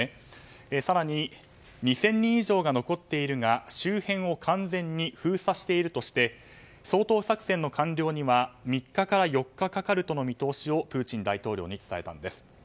更に２０００人以上が残っているが周辺を完全に封鎖しているとして掃討作戦の完了には３日から４日かかるとの見通しをプーチン大統領に伝えたんです。